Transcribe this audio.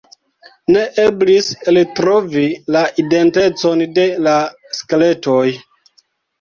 Ne eblis eltrovi la identecon de la skeletoj.